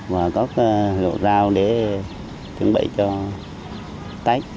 và có lụa rau để chuẩn bị cho tết